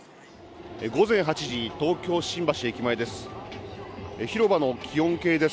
午前８時、東京・新橋駅前です。